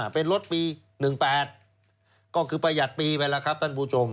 ปีไปแล้วครับท่านผู้ชม